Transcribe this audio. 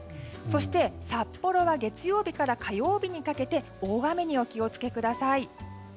そして、札幌は月曜日から火曜日にかけて大雨にお気を付けください。